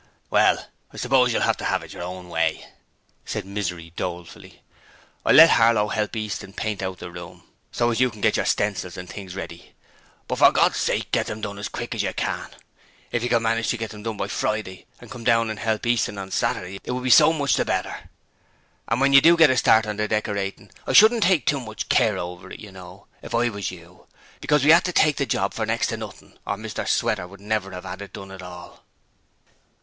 'Well, I s'pose you'll 'ave to 'ave your own way,' said Misery, dolefully. 'I'll let Harlow help Easton paint the room out, so as you can get your stencils and things ready. But for Gord's sake get 'em done as quick as you can. If you could manage to get done by Friday and come down and help Easton on Saturday, it would be so much the better. And when you do get a start on the decoratin', I shouldn't take too much care over it, you know, if I was you, because we 'ad to take the job for next to nothing or Mr Sweater would never 'ave 'ad it done at all!'